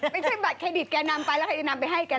ไม่ใช่บัตรเครดิตแกนำไปแล้วใครจะนำไปให้แก